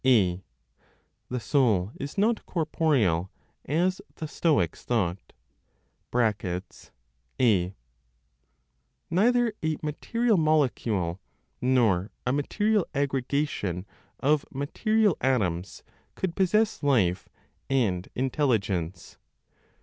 A. THE SOUL IS NOT CORPOREAL (AS THE STOICS THOUGHT). (a.) (Neither a material molecule, nor a material aggregation of material atoms could possess life and intelligence.)